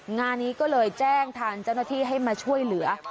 งานนี้ก็เลยแจ้งทางเจ้าหน้าที่ให้มาช่วยเหลือ